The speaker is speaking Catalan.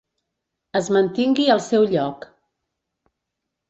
Es mantingui al seu lloc.